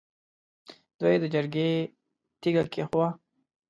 دوی د جرګې تیګه کېښووه.